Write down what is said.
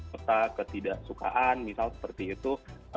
peta ketidaksukaan misal seperti itu